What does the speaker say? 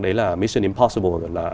đấy là mission impossible